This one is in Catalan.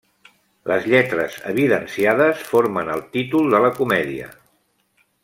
Les lletres evidenciades formen el títol de la comèdia.